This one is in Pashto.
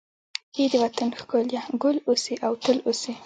ای د وطن ښکليه، ګل اوسې او تل اوسې